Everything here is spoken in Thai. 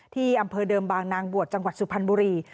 ที่อำเภอเดิมบางนางบวชจังหวัดสุพรรณบุรี